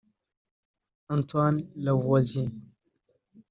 Antoine Lavoisier